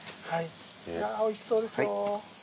おいしそうですよ。